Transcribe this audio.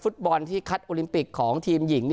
ฟุตบอลที่คัดโอลิมปิกของทีมหญิง